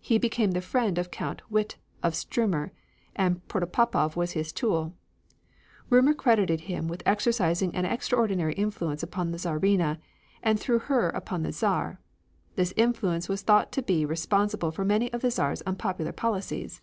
He became the friend of Count Witte, of Stuermer, and Protopopov was his tool. Rumor credited him with exercising an extraordinary influence upon the Czarina, and through her upon the Czar. This influence was thought to be responsible for many of the Czar's unpopular policies.